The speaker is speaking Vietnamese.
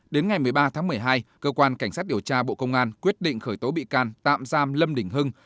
đến ngày một mươi ba tháng một mươi hai cơ quan cảnh sát điều tra bộ công an quyết định khởi tố bị can tạm giam lâm đình hưng